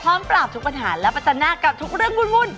พร้อมปราบทุกปัญหาและประจัญหน้ากับทุกเรื่องหุ่น